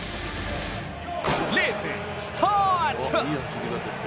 レーススタート！